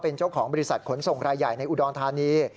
เป็นเจ้าของบริษัทขนส่งรายใหญ่ในอุดรธานี